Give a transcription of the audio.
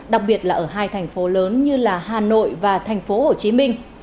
đặc biệt là ở hai thành phố lớn như hà nội và thành phố hồ chí minh